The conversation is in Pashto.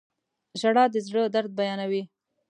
• ژړا د زړه درد بیانوي.